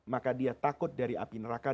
maka dia takut dari api neraka